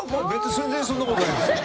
全然そんなことないですよ。